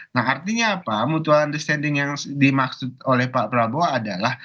nah artinya apa mutual understanding yang dimaksud oleh pak prabowo adalah